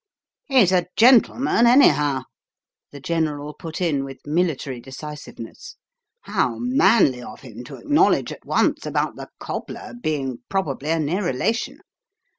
"He's a gentleman, anyhow," the General put in with military decisiveness. "How manly of him to acknowledge at once about the cobbler being probably a near relation!